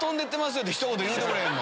よってひと言言うてくれへんの？